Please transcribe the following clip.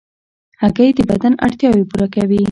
هګۍ د بدن اړتیاوې پوره کوي.